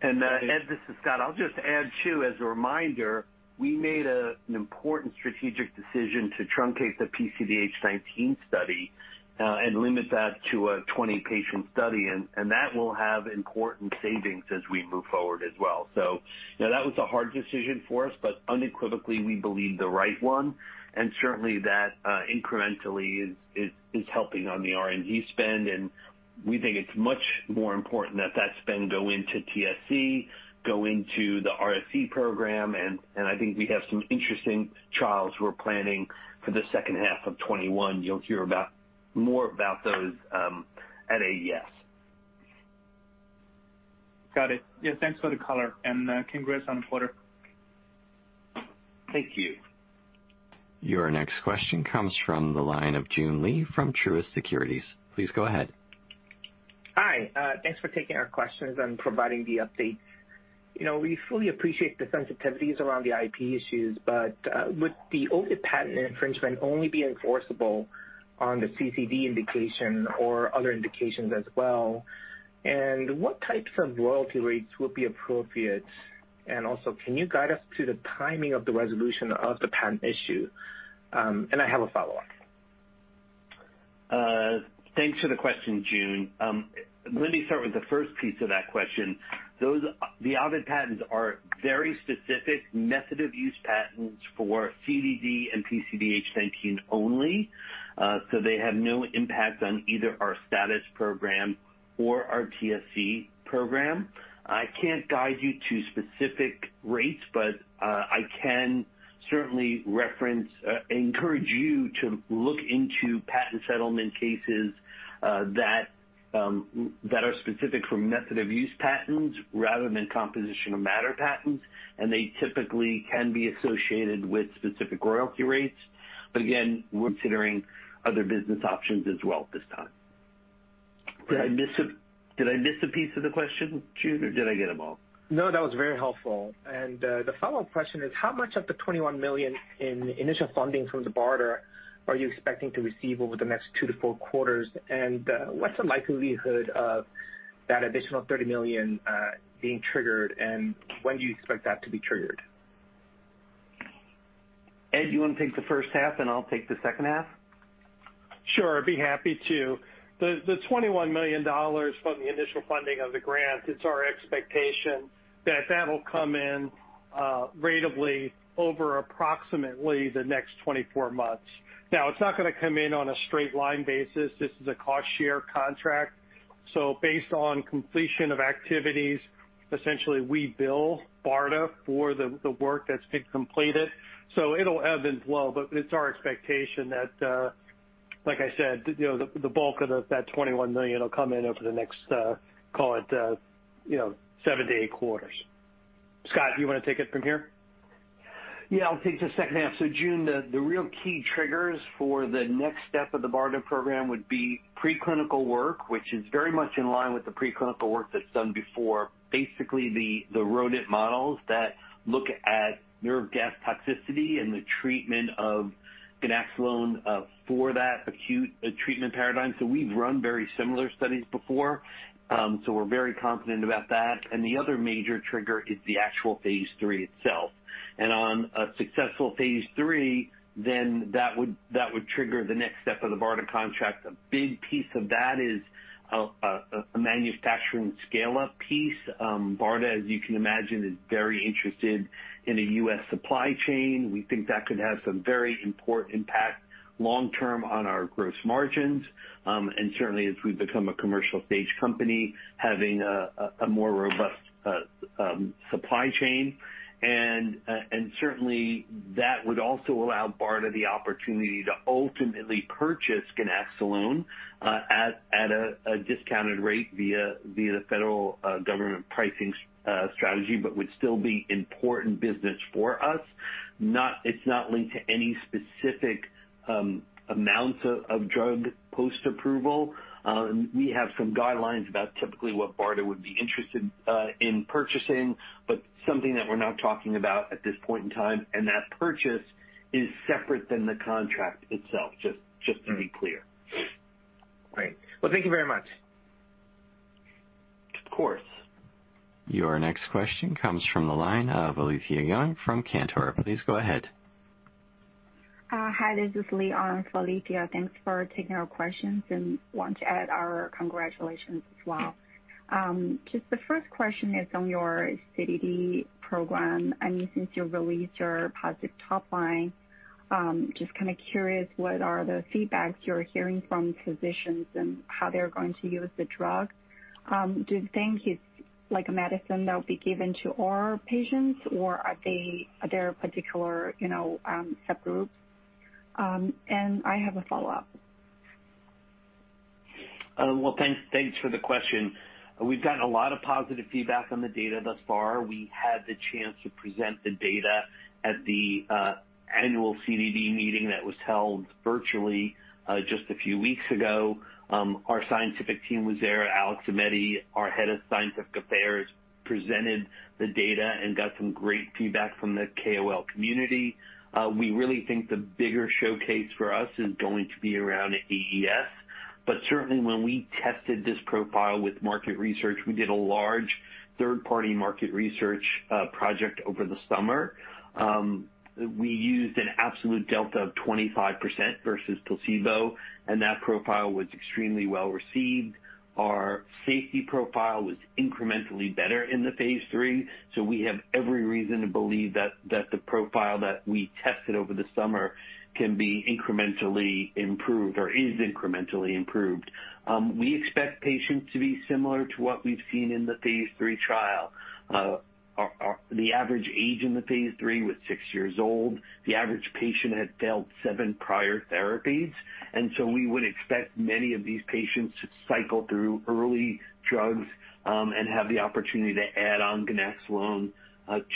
C: Edward, this is Scott. I'll just add, too, as a reminder, we made an important strategic decision to truncate the PCDH19 study and limit that to a 20-patient study. That will have important savings as we move forward as well. That was a hard decision for us, but unequivocally, we believe the right one. Certainly, that incrementally is helping on the R&D spend. We think it's much more important that spend go into TSC, go into the RSE program, and I think we have some interesting trials we're planning for the second half of 2021. You'll hear more about those at AES.
G: Got it. Yeah, thanks for the color and congrats on the quarter.
C: Thank you.
A: Your next question comes from the line of Joon Lee from Truist Securities. Please go ahead.
H: Hi. Thanks for taking our questions and providing the updates. We fully appreciate the sensitivities around the IP issues. Would the Ovid patent infringement only be enforceable on the CDD indication or other indications as well? What types of royalty rates would be appropriate? Also, can you guide us to the timing of the resolution of the patent issue? I have a follow-up.
C: Thanks for the question, Joon. Let me start with the first piece of that question. The Ovid patents are very specific method-of-use patents for CDD and PCDH19 only. They have no impact on either our STATUS Program or our TSC Program. I can't guide you to specific rates, but I can certainly encourage you to look into patent settlement cases that are specific for method-of-use patents rather than composition of matter patents. They typically can be associated with specific royalty rates. Again, we're considering other business options as well at this time. Did I miss a piece of the question, Joon, or did I get them all?
H: No, that was very helpful. The follow-up question is, how much of the $21 million in initial funding from the BARDA are you expecting to receive over the next two to four quarters? What's the likelihood of that additional $30 million being triggered, and when do you expect that to be triggered?
C: Edward, you want to take the first half, and I'll take the second half?
E: Sure, I'd be happy to. The $21 million from the initial funding of the grant, it's our expectation that that'll come in ratably over approximately the next 24 months. It's not going to come in on a straight line basis. This is a cost-share contract. Based on completion of activities, essentially, we bill BARDA for the work that's been completed. It'll ebb and flow, but it's our expectation that, like I said, the bulk of that $21 million will come in over the next, call it, seven to eight quarters. Scott, do you want to take it from here?
C: Yeah, I'll take the second half. Joon, the real key triggers for the next step of the BARDA program would be preclinical work, which is very much in line with the preclinical work that's done before. Basically, the rodent models that look at nerve gas toxicity and the treatment of ganaxolone for that acute treatment paradigm. We've run very similar studies before, we're very confident about that. The other major trigger is the actual phase III itself. On a successful phase III, that would trigger the next step of the BARDA contract. A big piece of that is a manufacturing scale-up piece. BARDA, as you can imagine, is very interested in a U.S. supply chain. We think that could have some very important impact long-term on our gross margins, and certainly as we become a commercial-stage company, having a more robust supply chain. Certainly, that would also allow BARDA the opportunity to ultimately purchase ganaxolone at a discounted rate via the federal government pricing strategy, but would still be important business for us. It's not linked to any specific amounts of drug post-approval. We have some guidelines about typically what BARDA would be interested in purchasing, but something that we're not talking about at this point in time, and that purchase is separate than the contract itself, just to be clear.
H: Great. Well, thank you very much.
C: Of course.
A: Your next question comes from the line of Alethia Young from Cantor. Please go ahead.
I: Hi, this is Lee Ann for Alethia. Thanks for taking our questions. Want to add our congratulations as well. The first question is on your CDD program. Since you released your positive top line, just curious, what are the feedbacks you're hearing from physicians and how they're going to use the drug? Do you think it's a medicine that will be given to all patients, or are there particular subgroups? I have a follow-up.
C: Well, thanks for the question. We've gotten a lot of positive feedback on the data thus far. We had the chance to present the data at the annual CDD meeting that was held virtually just a few weeks ago. Our scientific team was there. Alex Aimetti, our head of scientific affairs, presented the data and got some great feedback from the KOL community. We really think the bigger showcase for us is going to be around at AES. Certainly, when we tested this profile with market research, we did a large third-party market research project over the summer. We used an absolute delta of 25% versus placebo, and that profile was extremely well-received. Our safety profile was incrementally better in the phase III, so we have every reason to believe that the profile that we tested over the summer can be incrementally improved or is incrementally improved. We expect patients to be similar to what we've seen in the phase III trial. The average age in the phase III was six years old. The average patient had failed seven prior therapies. We would expect many of these patients to cycle through early drugs and have the opportunity to add on ganaxolone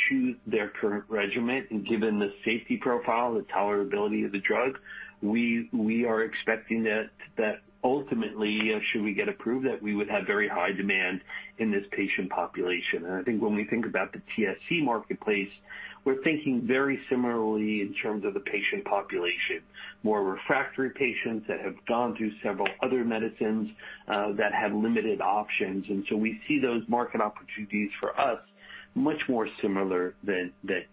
C: to their current regimen. Given the safety profile, the tolerability of the drug, we are expecting that ultimately, should we get approved, that we would have very high demand in this patient population. I think when we think about the TSC marketplace, we're thinking very similarly in terms of the patient population. More refractory patients that have gone through several other medicines that have limited options. We see those market opportunities for us much more similar than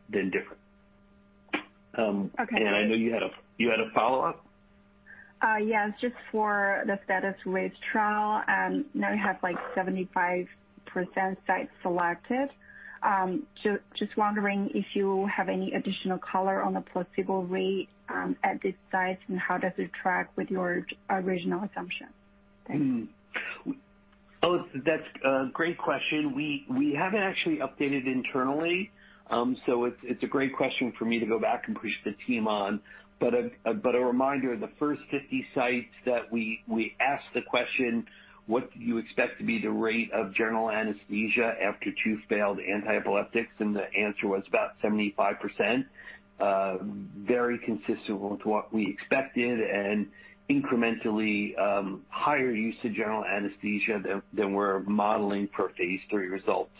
C: different.
I: Okay.
C: I know you had a follow-up?
I: Yes, just for the RAISE trial. I know you have 75% sites selected. Wondering if you have any additional color on the placebo rate at these sites, and how does it track with your original assumption? Thank you.
C: Oh, that's a great question. We haven't actually updated internally. It's a great question for me to go back and push the team on. A reminder, the first 50 sites that we asked the question, "What do you expect to be the rate of general anesthesia after two failed antiepileptics?" The answer was about 75%, very consistent with what we expected and incrementally higher usage general anesthesia than we're modeling for phase III results.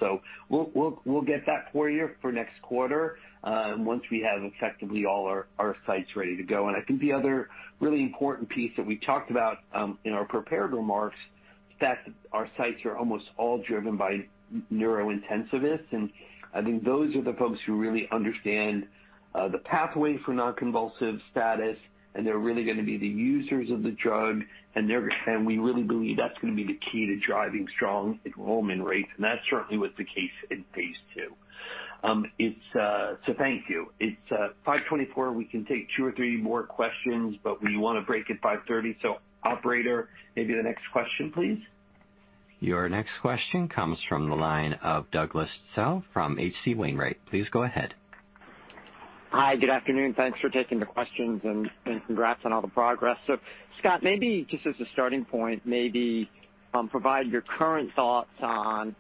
C: We'll get that for you for next quarter once we have effectively all our sites ready to go. I think the other really important piece that we talked about in our prepared remarks is that our sites are almost all driven by neurointensivists. I think those are the folks who really understand the pathway for non-convulsive status, and they're really going to be the users of the drug. We really believe that's going to be the key to driving strong enrollment rates, and that certainly was the case in phase II. Thank you. It's 5:24 P.M. We can take two or three more questions, but we want to break at 5:30 P.M. Operator, maybe the next question, please.
A: Your next question comes from the line of Douglas Tsao from H.C. Wainwright. Please go ahead.
J: Hi. Good afternoon. Thanks for taking the questions, and congrats on all the progress. Scott, maybe just as a starting point, maybe provide your current thoughts on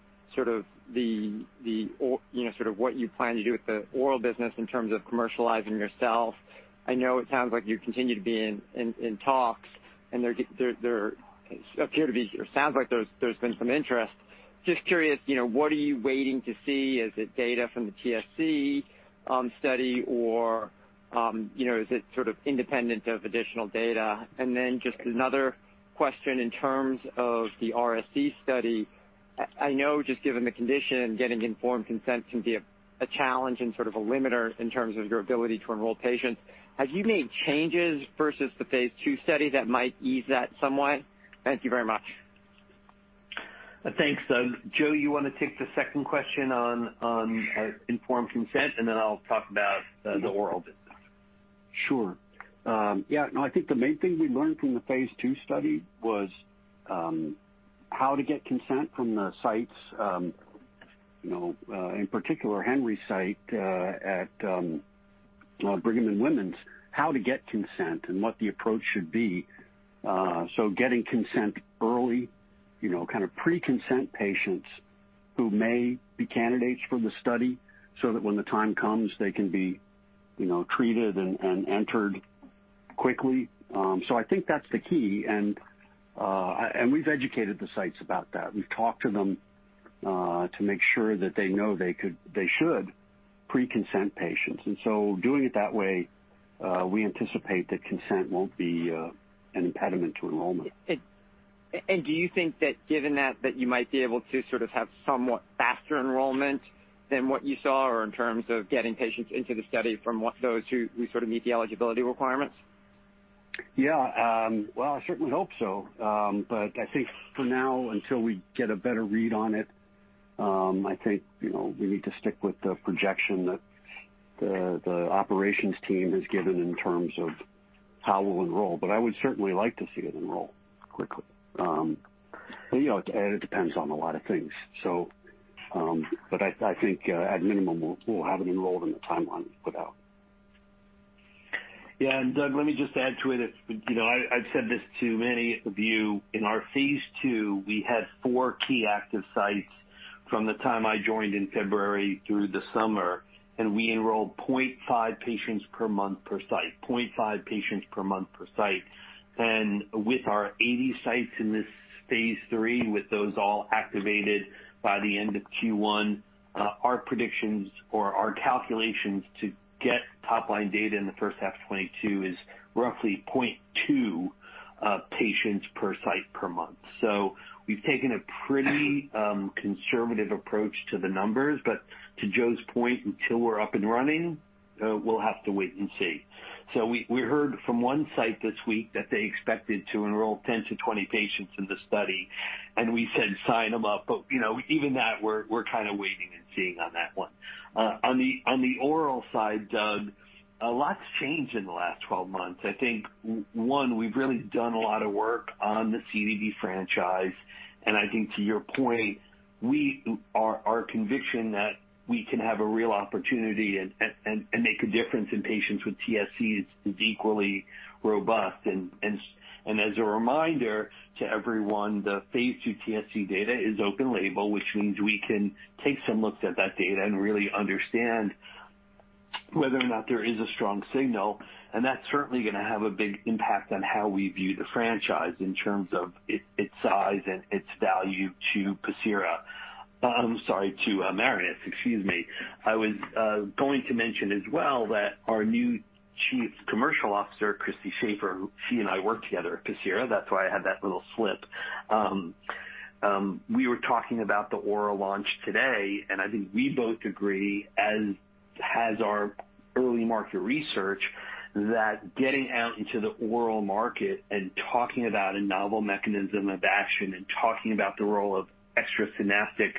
J: sort of what you plan to do with the oral business in terms of commercializing yourself. I know it sounds like you continue to be in talks and there appear to be, or sounds like there's been some interest. Just curious, what are you waiting to see? Is it data from the TSC study, or is it sort of independent of additional data? Just another question in terms of the RSE study. I know just given the condition, getting informed consent can be a challenge and sort of a limiter in terms of your ability to enroll patients. Have you made changes versus the phase II study that might ease that somewhat? Thank you very much.
C: Thanks, Douglas. Joe, you want to take the second question on informed consent, and then I'll talk about the oral business.
D: I think the main thing we learned from the phase II study was how to get consent from the sites. In particular, Henry's site at Brigham and Women's. How to get consent and what the approach should be. Getting consent early, kind of pre-consent patients who may be candidates for the study so that when the time comes, they can be treated and entered quickly. I think that's the key, and we've educated the sites about that. We've talked to them to make sure that they know they should pre-consent patients. Doing it that way, we anticipate that consent won't be an impediment to enrollment.
J: Do you think that given that you might be able to sort of have somewhat faster enrollment than what you saw or in terms of getting patients into the study from those who sort of meet the eligibility requirements?
D: Yeah. Well, I certainly hope so. I think for now, until we get a better read on it, I think we need to stick with the projection that the operations team has given in terms of how we'll enroll. I would certainly like to see it enroll quickly. It depends on a lot of things. I think at minimum, we'll have it enrolled in the timeline we put out.
C: Yeah. Douglas, let me just add to it. I've said this to many of you. In our phase II, we had four key active sites from the time I joined in February through the summer, and we enrolled 0.5 patients per month per site. With our 80 sites in this phase III, with those all activated by the end of Q1, our predictions or our calculations to get top-line data in the first half of 2022 is roughly 0.2 patients per site per month. We've taken a pretty conservative approach to the numbers. But to Joe's point, until we're up and running, we'll have to wait and see. We heard from one site this week that they expected to enroll 10-20 patients in the study, and we said, "Sign them up." Even that, we're kind of waiting and seeing on that one. On the oral side, Douglas, a lot's changed in the last 12 months. I think, one, we've really done a lot of work on the CDD franchise, and I think to your point, our conviction that we can have a real opportunity and make a difference in patients with TSC is equally robust. As a reminder to everyone, the phase II TSC data is open label, which means we can take some looks at that data and really understand whether or not there is a strong signal. That's certainly going to have a big impact on how we view the franchise in terms of its size and its value to Pacira. I'm sorry, to Marinus. Excuse me. I was going to mention as well that our new Chief Commercial Officer, Christy Shafer, she and I worked together at Pacira. That's why I had that little slip. We were talking about the oral launch today, and I think we both agree, as has our early market research, that getting out into the oral market and talking about a novel mechanism of action and talking about the role of extrasynaptic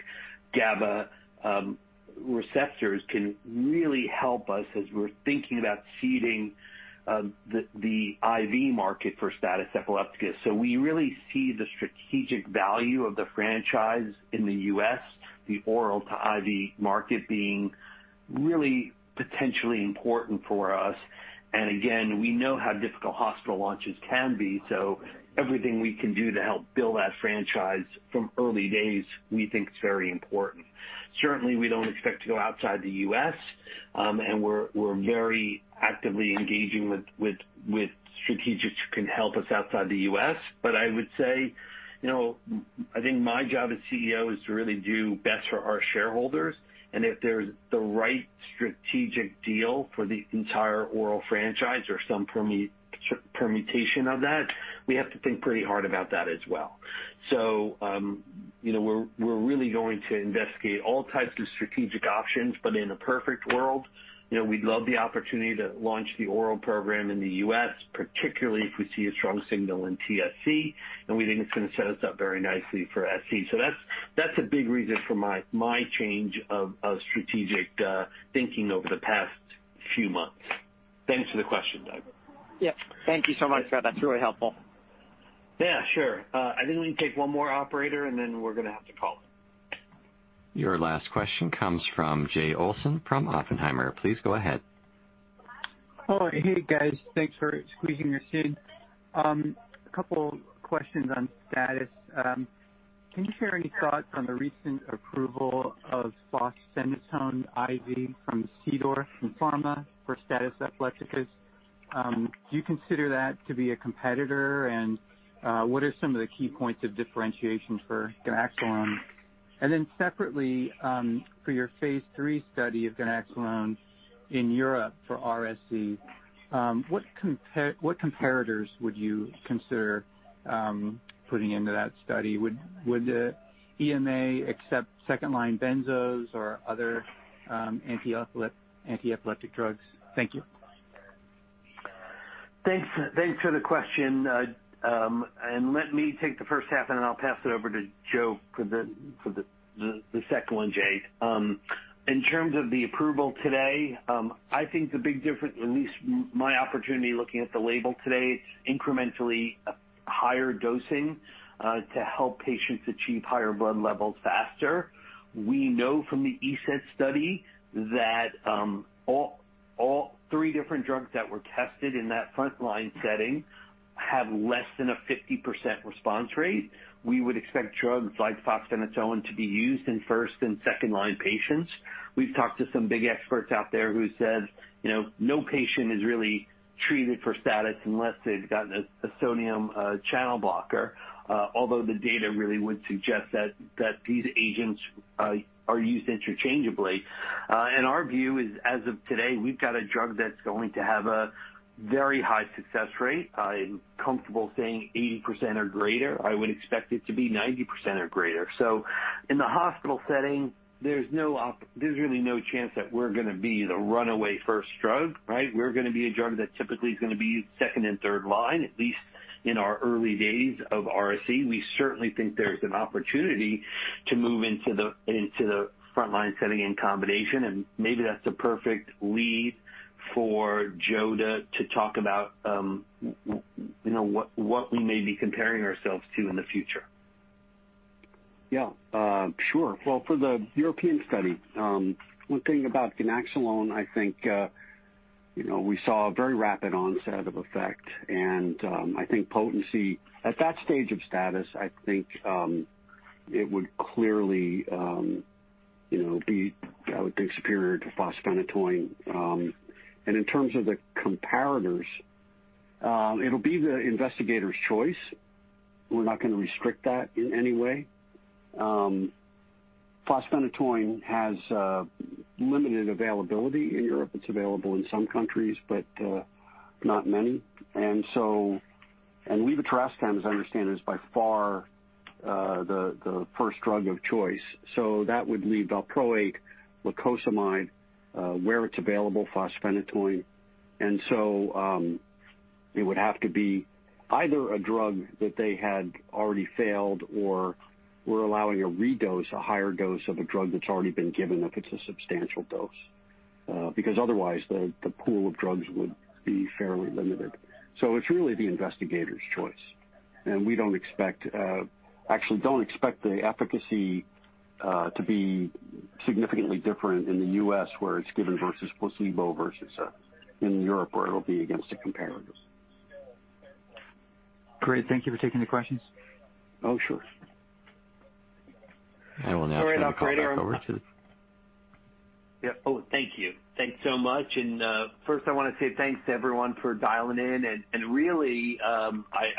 C: GABA receptors can really help us as we're thinking about seeding the IV market for status epilepticus. We really see the strategic value of the franchise in the U.S., the oral to IV market being really potentially important for us. Again, we know how difficult hospital launches can be, so everything we can do to help build that franchise from early days, we think is very important. Certainly, we don't expect to go outside the U.S., and we're very actively engaging with strategics who can help us outside the U.S. I would say, I think my job as CEO is to really do best for our shareholders. If there's the right strategic deal for the entire oral franchise or some permutation of that, we have to think pretty hard about that as well. We're really going to investigate all types of strategic options, but in a perfect world, we'd love the opportunity to launch the oral program in the U.S., particularly if we see a strong signal in TSC, and we think it's going to set us up very nicely for RSE. That's a big reason for my change of strategic thinking over the past few months. Thanks for the question, Doug.
J: Yep. Thank you so much, Scott. That's really helpful.
C: Yeah, sure. I think we can take one more operator, and then we're going to have to call it.
A: Your last question comes from Jay Olson from Oppenheimer. Please go ahead.
K: Oh, hey, guys. Thanks for squeezing us in. A couple questions on status. Can you share any thoughts on the recent approval of fosphenytoin IV from Sedor Pharmaceuticals for status epilepticus? Do you consider that to be a competitor? What are some of the key points of differentiation for ganaxolone? Separately, for your phase III study of ganaxolone in Europe for RSE, what comparators would you consider putting into that study? Would the EMA accept second line benzos or other anti-epileptic drugs? Thank you.
C: Thanks for the question. Let me take the first half, and then I'll pass it over to Joe for the second one, Jay. In terms of the approval today, I think the big difference, at least my opportunity looking at the label today, incrementally higher dosing to help patients achieve higher blood levels faster. We know from the ESETT that all three different drugs that were tested in that frontline setting have less than a 50% response rate. We would expect drugs like fosphenytoin to be used in first and second-line patients. We've talked to some big experts out there who said, no patient is really treated for status unless they've gotten a sodium channel blocker. The data really would suggest that these agents are used interchangeably. Our view is, as of today, we've got a drug that's going to have a very high success rate. I'm comfortable saying 80% or greater. I would expect it to be 90% or greater. In the hospital setting, there's really no chance that we're going to be the runaway first drug, right? We're going to be a drug that typically is going to be second and third line, at least in our early days of RSE. We certainly think there's an opportunity to move into the frontline setting in combination, maybe that's the perfect lead for Joe to talk about what we may be comparing ourselves to in the future.
D: Yeah. Sure. Well, for the European study, one thing about ganaxolone, I think we saw a very rapid onset of effect, and I think potency at that stage of status, I think it would clearly be, I would think, superior to fosphenytoin. In terms of the comparators, it'll be the investigator's choice. We're not going to restrict that in any way. Fosphenytoin has limited availability in Europe. It's available in some countries, but not many. Levetiracetam, as I understand it, is by far the first drug of choice. That would leave valproate, lacosamide, where it's available, fosphenytoin. It would have to be either a drug that they had already failed or we're allowing a redose, a higher dose of a drug that's already been given, if it's a substantial dose. Because otherwise, the pool of drugs would be fairly limited. It's really the investigator's choice, and we actually don't expect the efficacy to be significantly different in the U.S., where it's given versus placebo, versus in Europe, where it'll be against a comparator.
K: Great. Thank you for taking the questions.
D: Oh, sure.
A: I will now turn the call back over to.
C: Yeah. Oh, thank you. Thanks so much. First I want to say thanks to everyone for dialing in, and really, I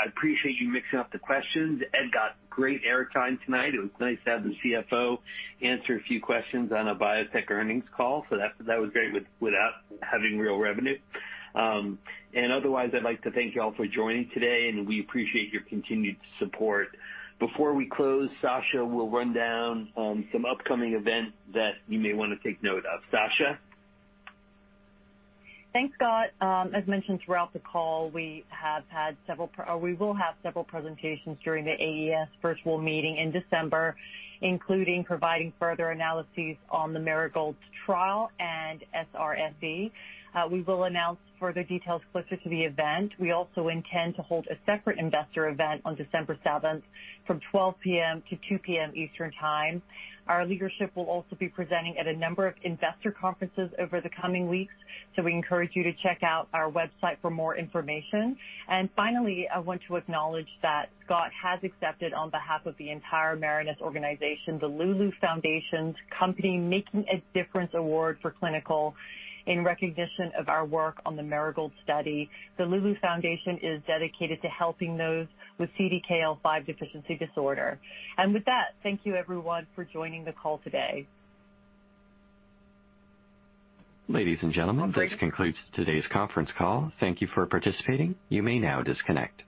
C: appreciate you mixing up the questions. Ed got great air time tonight. It was nice to have the CFO answer a few questions on a biotech earnings call, so that was great, without having real revenue. Otherwise, I'd like to thank you all for joining today, and we appreciate your continued support. Before we close, Sasha will run down some upcoming events that you may want to take note of. Sasha?
B: Thanks, Scott. As mentioned throughout the call, we will have several presentations during the AES virtual meeting in December, including providing further analyses on the Marigold trial and SRSE. We will announce further details closer to the event. We also intend to hold a separate investor event on 7 December from 12:00 P.M. to 2:00 P.M. Eastern Time. Our leadership will also be presenting at a number of investor conferences over the coming weeks, we encourage you to check out our website for more information. Finally, I want to acknowledge that Scott has accepted, on behalf of the entire Marinus organization, the Loulou Foundation's Company Making a Difference Award for clinical in recognition of our work on the Marigold study. The Loulou Foundation is dedicated to helping those with CDKL5 deficiency disorder. With that, thank you everyone for joining the call today.
A: Ladies and gentlemen, this concludes today's conference call. Thank you for participating. You may now disconnect.